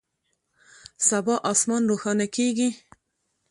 سبا اسمان روښانه کیږي